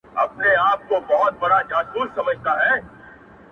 تاريخ بيا بيا هماغه وايي تل،